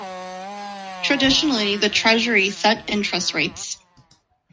Traditionally, the Treasury set interest rates.